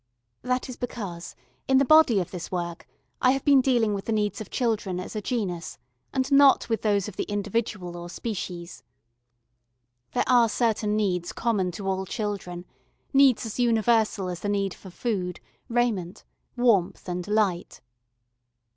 That is because, in the body of this work, I have been dealing with the needs of children as a genus, and not with those of the individual or species. There are certain needs common to all children, needs as universal as the need for food, raiment, warmth, and light.